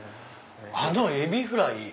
あのえびフライ！